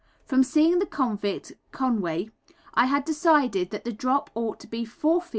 From seeing the convict, Conway, I had decided that the drop ought to be 4 ft.